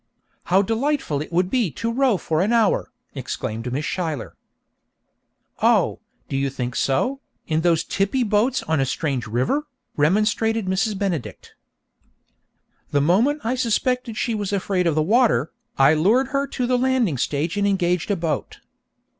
'How delightful it would be to row for an hour!' exclaimed Miss Schuyler. 'Oh, do you think so, in those tippy boats on a strange river?' remonstrated Mrs. Benedict. The moment I suspected she was afraid of the water, I lured her to the landing stage and engaged a boat.